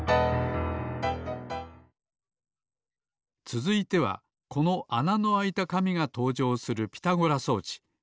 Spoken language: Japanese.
つづいてはこのあなのあいたかみがとうじょうするピタゴラ装置。